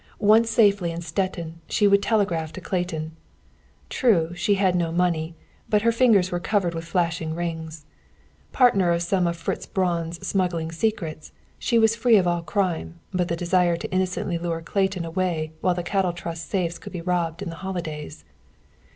Once safely in Stettin, she would telegraph to Clayton. True, she had no money; but her fingers were covered with flashing rings. Partner of some of Fritz Braun's smuggling secrets, she was free of all crime, but the desire to innocently lure Clayton away while the Cattle Trust's safes could be robbed in the holidays.